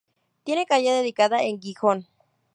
Tiene calle dedicada en Gijón.